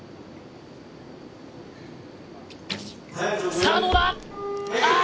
さぁどうだ？